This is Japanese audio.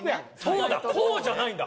そうだこうじゃないんだ。